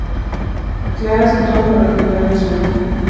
Clara hace todo para recuperar a su hijo.